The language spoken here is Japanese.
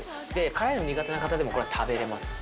辛いの苦手な方でも食べれます。